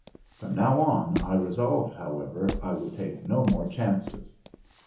From now on, I resolved, however, I would take no more chances.